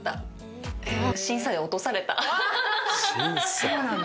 そうなんだ。